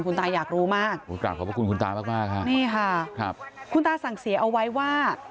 คุณตาอยากรู้มากขอบคุณคุณตามากค่ะคุณตาสั่งเสียเอาไว้ว่า